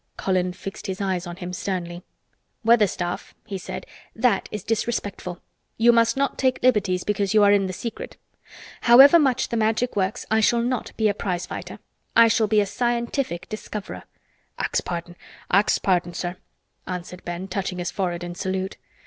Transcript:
Colin fixed his eyes on him sternly. "Weatherstaff," he said, "that is disrespectful. You must not take liberties because you are in the secret. However much the Magic works I shall not be a prize fighter. I shall be a Scientific Discoverer." "Ax pardon—ax pardon, sir" answered Ben, touching his forehead in salute.